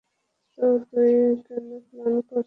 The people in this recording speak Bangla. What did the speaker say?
তো তুই কোন প্ল্যান করিসনি!